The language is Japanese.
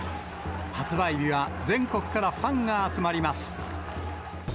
発売日は全国からファンが集まります。